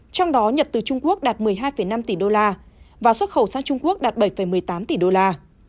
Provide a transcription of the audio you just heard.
trong đó nhập từ trung quốc đạt một mươi hai năm tỷ đô la và xuất khẩu sang trung quốc đạt bảy một mươi tám tỷ đô la